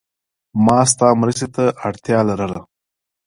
ما ستا مرستی ته اړتیا لرله.